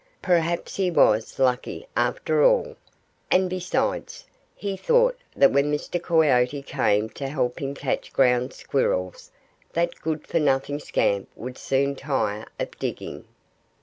Perhaps he was lucky, after all! And besides, he thought that when Mr. Coyote came to help him catch Ground Squirrels that good for nothing scamp would soon tire of digging.